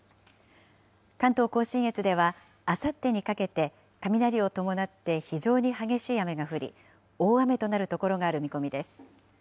関東甲信越では、あさってにかけて、雷を伴って非常に激しい雨が降り、大雨となる所がある見込みです。